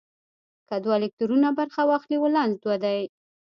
که دوه الکترونونه برخه واخلي ولانس دوه دی.